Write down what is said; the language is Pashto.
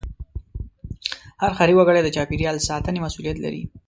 هر ښاري وګړی د چاپېریال ساتنې مسوولیت لري.